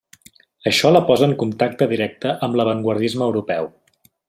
Això la posa en contacte directe amb l'avantguardisme europeu.